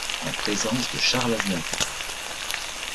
En présence de Charles Aznavour.